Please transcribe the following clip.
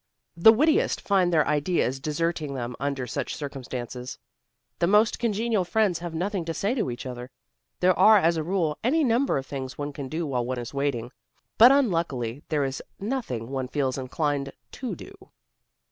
The wittiest find their ideas deserting them under such circumstances. The most congenial friends have nothing to say to each other. There are, as a rule, any number of things one can do while one is waiting, but unluckily there is nothing one feels inclined to do.